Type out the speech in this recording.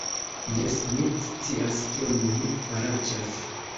Jes, mi scias kion mi faraĉas